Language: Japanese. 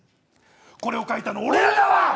これを書いたの俺らだわ。